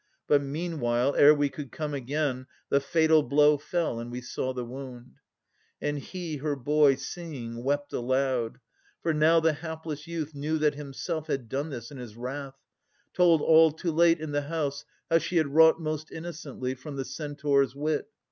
But meanwhile, Ere we could come again, the fatal blow Fell, and we saw the wound. And he, her boy, Seeing, wept aloud. For now the hapless youth Knew that himself had done this in his wrath, Told all too late i' the house, how she had wrought Most innocently, from the Centaur's wit.